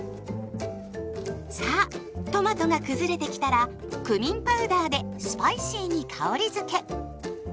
さあトマトが崩れてきたらクミンパウダーでスパイシーに香りづけ。